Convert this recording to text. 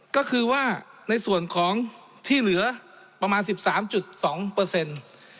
ก็คือว่าในส่วนของที่เหลือประมาณ๑๓๒เปอร์เซ็นต์